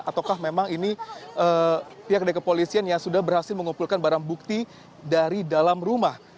ataukah memang ini pihak dari kepolisian yang sudah berhasil mengumpulkan barang bukti dari dalam rumah